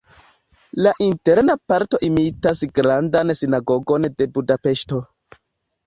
La interna parto imitas Grandan Sinagogon de Budapeŝto.